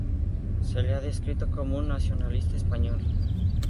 Se le ha descrito como un nacionalista español.